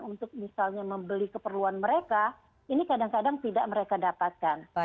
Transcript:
untuk misalnya membeli keperluan mereka ini kadang kadang tidak mereka dapatkan